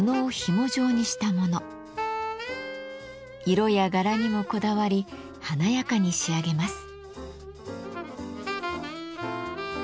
色や柄にもこだわり華やかに仕上げます。